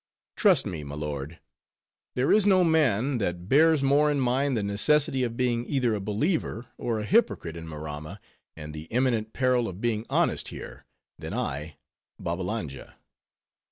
Trust me, my lord, there is no man, that bears more in mind the necessity of being either a believer or a hypocrite in Maramma, and the imminent peril of being honest here, than I, Babbalanja.